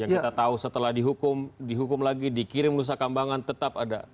yang kita tahu setelah dihukum dihukum lagi dikirim nusa kambangan tetap ada